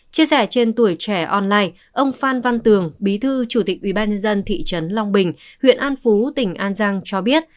chia sẻ trên tuổi trẻ online ông phan văn tường bí thư chủ tịch ubnd thị trấn long bình huyện an phú tỉnh an giang cho biết